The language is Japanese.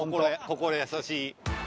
心優しい。